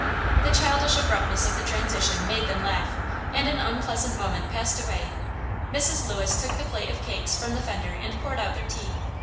The childish abruptness of the transition made them laugh, and an unpleasant moment passed away. Mrs. Lewis took the plate of cakes from the fender and poured out their tea.